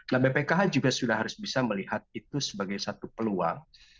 nah bpkh juga sudah harus bisa melihat itu sebagai satu peluang